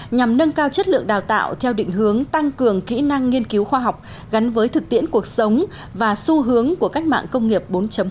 nhằm nâng cao chất lượng đào tạo theo định hướng tăng cường kỹ năng nghiên cứu khoa học gắn với thực tiễn cuộc sống và xu hướng của cách mạng công nghiệp bốn